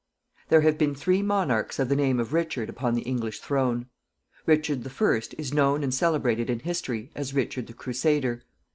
There have been three monarchs of the name of Richard upon the English throne. Richard I. is known and celebrated in history as Richard the Crusader.